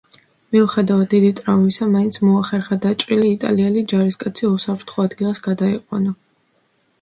მიუხედავად დიდი ტრავმისა, მაინც მოახერხა დაჭრილი იტალიელი ჯარისკაცი უსაფრთხო ადგილას გადაეყვანა.